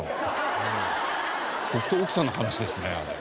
僕と奥さんの話ですねあれ。